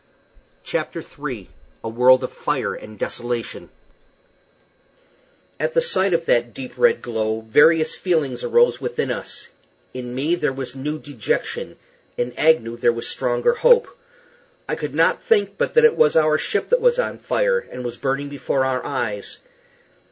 CHAPTER III A WORLD OF FIRE AND DESOLATION At the sight of that deep red glow various feelings arose within us: in me there was new dejection; in Agnew there was stronger hope. I could not think but that it was our ship that was on fire, and was burning before our eyes.